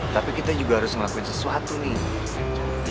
tapi kita juga harus ngelakuin sesuatu nih